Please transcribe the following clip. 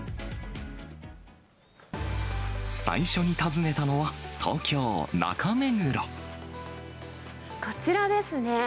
最初に訪ねたのは、東京・中こちらですね。